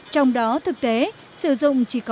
trong đó thực tế sử dụng chỉ có một mươi năm